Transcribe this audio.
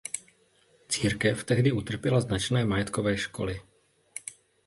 Církev tehdy utrpěla značné majetkové školy.